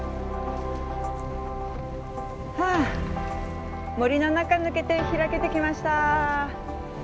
はあ森の中抜けて開けてきました。